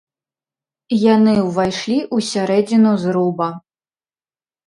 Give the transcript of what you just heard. Яны ўвайшлі ў сярэдзіну зруба.